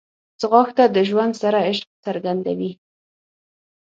ځغاسته د ژوند سره عشق څرګندوي